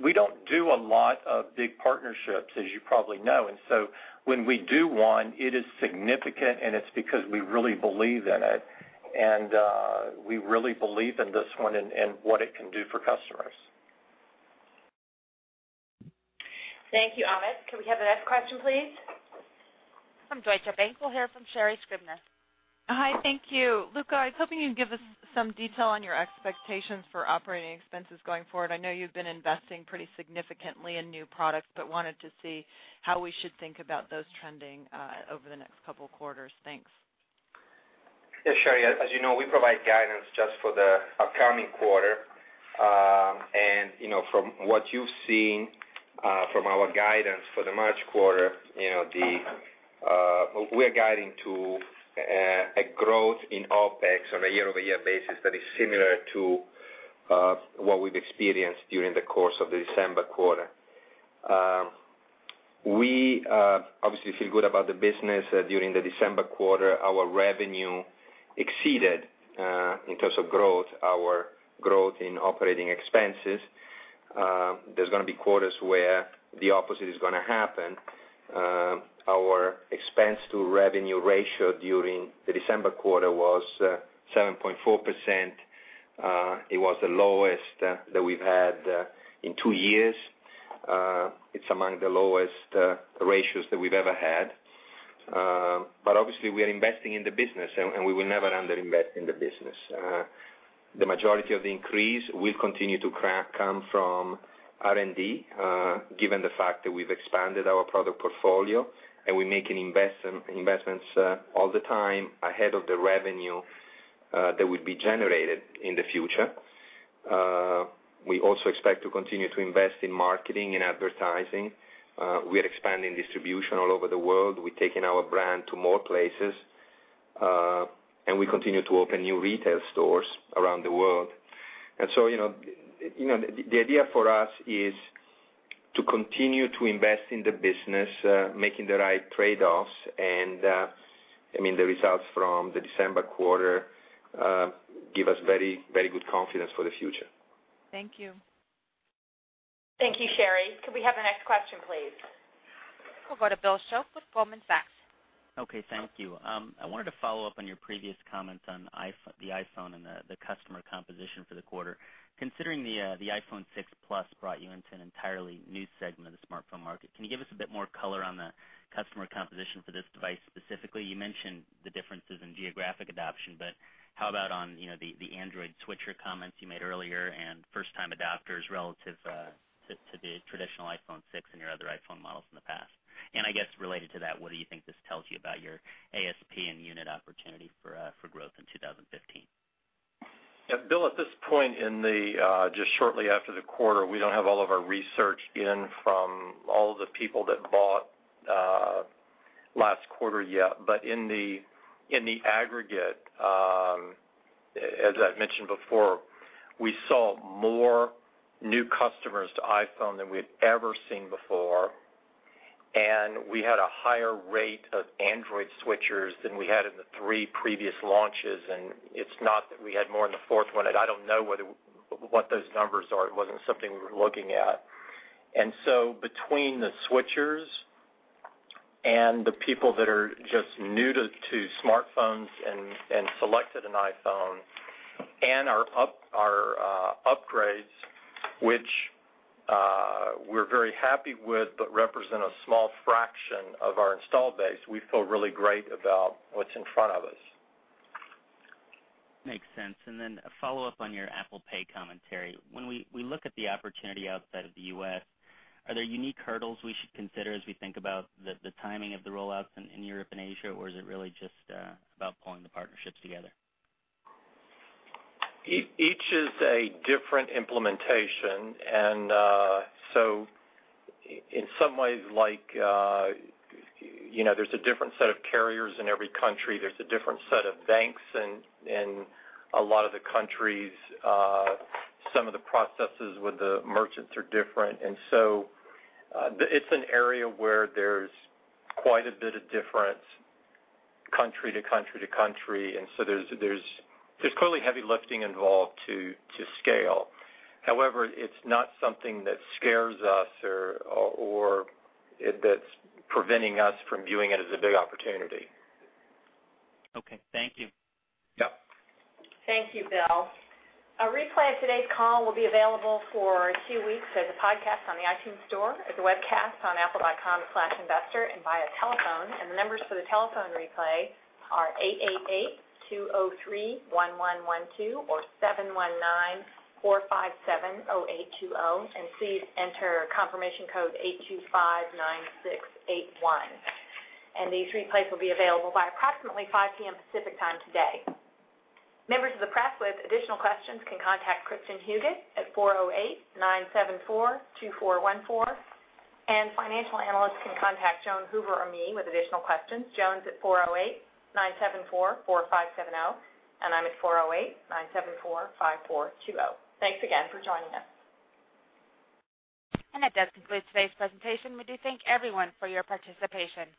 We don't do a lot of big partnerships, as you probably know. When we do one, it is significant, and it's because we really believe in it. We really believe in this one and what it can do for customers. Thank you, Amit. Can we have the next question, please? From Deutsche Bank, we'll hear from Sherri Scribner. Hi, thank you. Luca, I was hoping you'd give us some detail on your expectations for operating expenses going forward. I know you've been investing pretty significantly in new products, wanted to see how we should think about those trending over the next couple of quarters. Thanks. Sherri, as you know, we provide guidance just for the upcoming quarter. From what you've seen from our guidance for the March quarter, we're guiding to a growth in OpEx on a year-over-year basis that is similar to what we've experienced during the course of the December quarter. We obviously feel good about the business during the December quarter. Our revenue exceeded, in terms of growth, our growth in operating expenses. There's going to be quarters where the opposite is going to happen. Our expense to revenue ratio during the December quarter was 7.4%. It was the lowest that we've had in two years. It's among the lowest ratios that we've ever had. Obviously, we are investing in the business, and we will never under-invest in the business. The majority of the increase will continue to come from R&D, given the fact that we've expanded our product portfolio, and we make investments all the time ahead of the revenue that would be generated in the future. We also expect to continue to invest in marketing and advertising. We're expanding distribution all over the world. We're taking our brand to more places, and we continue to open new retail stores around the world. The idea for us is to continue to invest in the business, making the right trade-offs, and the results from the December quarter give us very good confidence for the future. Thank you. Thank you, Sherri. Could we have the next question, please? We'll go to Bill Shope with Goldman Sachs. Okay, thank you. I wanted to follow up on your previous comments on the iPhone and the customer composition for the quarter. Considering the iPhone 6 Plus brought you into an entirely new segment of the smartphone market, can you give us a bit more color on the customer composition for this device specifically? You mentioned the differences in geographic adoption, but how about on the Android switcher comments you made earlier and first-time adopters relative to the traditional iPhone 6 and your other iPhone models in the past? I guess related to that, what do you think this tells you about your ASP and unit opportunity for growth in 2015? Bill, at this point, just shortly after the quarter, we don't have all of our research in from all the people that bought last quarter yet. In the aggregate, as I've mentioned before, we saw more new customers to iPhone than we've ever seen before, we had a higher rate of Android switchers than we had in the three previous launches, it's not that we had more in the fourth one. I don't know what those numbers are. It wasn't something we were looking at. So between the switchers and the people that are just new to smartphones and selected an iPhone, and our upgrades, which we're very happy with, but represent a small fraction of our installed base, we feel really great about what's in front of us. Makes sense. Then a follow-up on your Apple Pay commentary. When we look at the opportunity outside of the U.S., are there unique hurdles we should consider as we think about the timing of the rollouts in Europe and Asia, or is it really just about pulling the partnerships together? Each is a different implementation, in some ways, there's a different set of carriers in every country, there's a different set of banks in a lot of the countries. Some of the processes with the merchants are different. It's an area where there's quite a bit of difference country to country to country, there's clearly heavy lifting involved to scale. However, it's not something that scares us or that's preventing us from viewing it as a big opportunity. Okay. Thank you. Yeah. Thank you, Bill. A replay of today's call will be available for two weeks as a podcast on the iTunes Store, as a webcast on apple.com/investor, and via telephone. The numbers for the telephone replay are 888-203-1112 or 719-457-0820, please enter confirmation code 8259681. These replays will be available by approximately 5:00 P.M. Pacific Time today. Members of the press with additional questions can contact Kristin Huguet at 408-974-2414, and financial analysts can contact Joan Hoover or me with additional questions. Joan's at 408-974-4570, and I'm at 408-974-5420. Thanks again for joining us. That does conclude today's presentation. We do thank everyone for your participation.